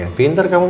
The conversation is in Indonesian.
ya terima kasih